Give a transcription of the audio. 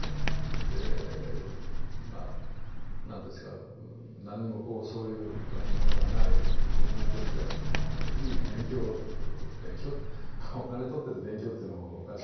でまあなんていうんですかなんにもそういうものがない僕にとってはいい勉強「勉強」ってお金取ってて「勉強」っていうのもおかしい。